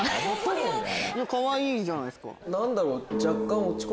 かわいいじゃないですか。